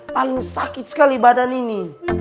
paling sakit sekali badan ini